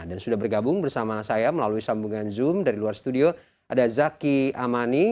dan sudah bergabung bersama saya melalui sambungan zoom dari luar studio ada zaki amani